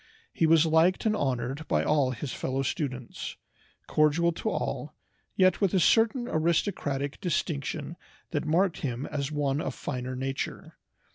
He was liked and honored by all his fellow students, cordial to all, yet with a certain aristocratic distinction that marked him as one of finer nature.